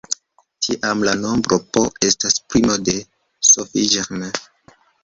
Tiam, la nombro "p" estas primo de Sophie Germain.